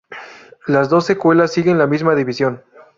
Las dos secuelas siguen la misma división.